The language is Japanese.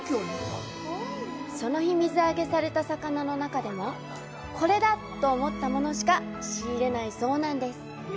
その日水揚げされた魚の中でもこれだと思ったものしか仕入れないんだそうです。